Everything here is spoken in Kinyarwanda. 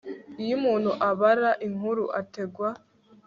iyo umuntu abara inkuru ategwa